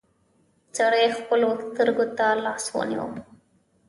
سړي خپلو سترګو ته لاس ونيو.